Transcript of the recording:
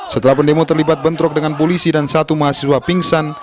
setelah pendemo terlibat bentrok dengan polisi dan satu mahasiswa pingsan